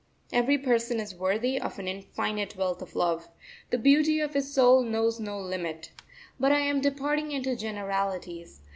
Every person is worthy of an infinite wealth of love the beauty of his soul knows no limit.... But I am departing into generalities.